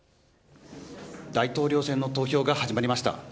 大統領選の投票が始まりました。